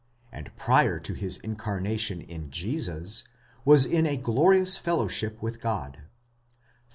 ° and prior to his incarnation in Jesus, was in a glorious. fellowship with God (Phil.